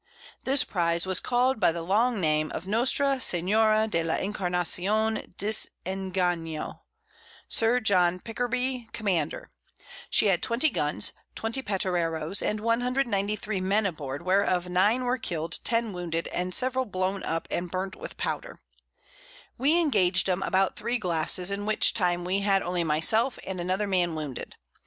This Prize was call'd by the long Name of Nostra Seniora de la Incarnacion Disenganio, Sir John Pichberty Commander; she had 20 Guns, 20 Patereroes, and 193 Men aboard, whereof 9 were kill'd, 10 wounded, and several blown up and burnt with Powder. We engag'd 'em about 3 Glasses, in which time we had only my self and another Man wounded.